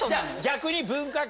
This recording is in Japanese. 逆に。